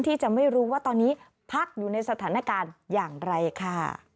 ที่จะไม่รู้ว่าตอนนี้พักอยู่ในสถานการณ์อย่างไรค่ะ